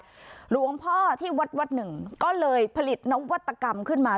หลวงพ่อที่วัดวัดหนึ่งก็เลยผลิตนวัตกรรมขึ้นมา